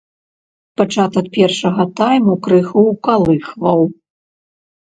Пачатак першага тайму крыху ўкалыхваў.